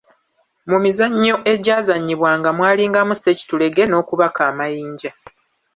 Mu mizannyo egyazannyibwanga mwalingamu ssekitulege n'okubaka amayinja.